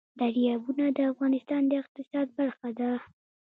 دریابونه د افغانستان د اقتصاد برخه ده.